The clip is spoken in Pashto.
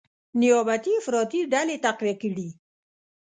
نیابتي افراطي ډلې تقویه کړي،